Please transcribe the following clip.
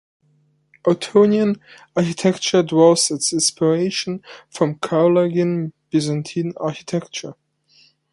Ottonian architecture draws its inspiration from Carolingian and Byzantine architecture.